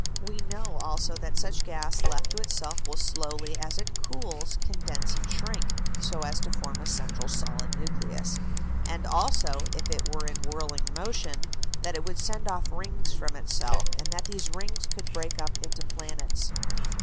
We know also that such gas left to itself will slowly as it cools condense and shrink, so as to form a central solid nucleus; and also, if it were in whirling motion, that it would send off rings from itself, and that these rings could break up into planets.